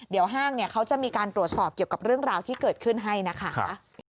เดี๋ยวห้างเขาจะมีการตรวจสอบเกี่ยวกับเรื่องราวที่เกิดขึ้นให้นะคะ